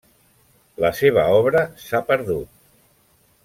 La seva obra s'ha perdut.